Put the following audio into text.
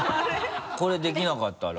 これできなかったら。